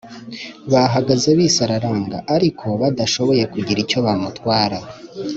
bahagaze bisararanga ariko badashoboye kugira icyo bamutwara